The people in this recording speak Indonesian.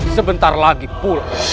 sebentar lagi pulang